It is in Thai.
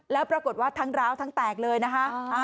แล้วปรากฏว่าทั้งร้าวทั้งแตกเลยนะคะ